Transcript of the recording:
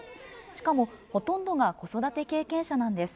しかも、ほとんどが子育て経験者なんです。